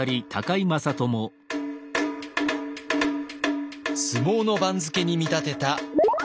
相撲の番付に見立てた温泉番付。